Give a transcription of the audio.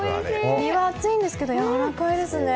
身は厚いですけどやわらかいですね。